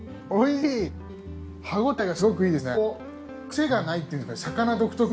歯応えがすごくいいですね。